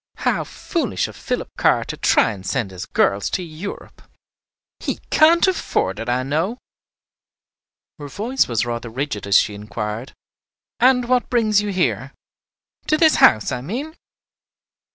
"How foolish of Philip Carr to try to send his girls to Europe! He can't afford it, I know." Her voice was rather rigid as she inquired, "And what brings you here? to this house, I mean?"